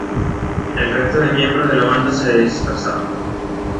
El resto de miembros de la banda se dispersaron.